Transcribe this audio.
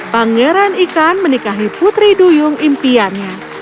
pangeran ikan menikahi putri duyung impiannya